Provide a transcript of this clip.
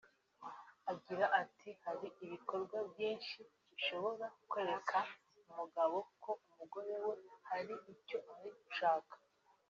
Agira ati “Hari ibikorwa byinshi bishobora kwereka umugabo ko umugore we hari icyo ari gushaka